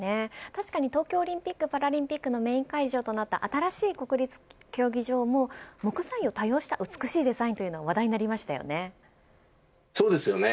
確かに東京オリンピック・パラリンピックのメーン会場となった新しい国立競技場も木材を多用した美しいデザインが話題になりましたよね。